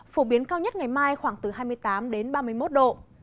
phổ biến cao nhất ngày mai khoảng từ hai mươi tám đến ba mươi một độ